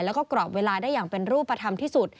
แล้วก็กรอบเวลาได้อย่างเป็นรูปธรรมที่สุด